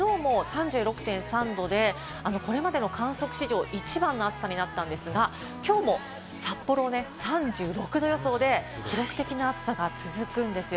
これまでの観測史上一番の暑さになったんですが、きょうも札幌３６度予想で記録的な暑さが続くんですよ。